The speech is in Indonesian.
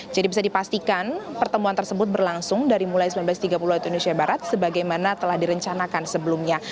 jadi bisa dipastikan pertemuan tersebut berlangsung dari mulai sembilan belas tiga puluh wib sebagaimana telah direncanakan sebelumnya